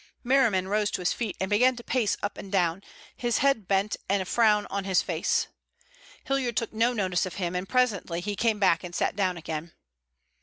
Merriman rose to his feet and began to pace up and down, his head bent and a frown on his face. Hilliard took no notice of him and presently he came back and sat down again.